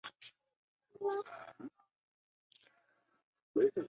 二甲基甲醯胺是利用甲酸和二甲基胺制造的。